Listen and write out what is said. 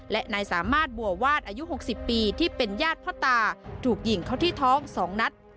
และนายสามารถบัววาดอายุ๖๐ปีที่เป็นญาติพ่อตาถูกยิงเขาที่ท้อง๒นัด